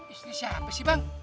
istri siapa sih bang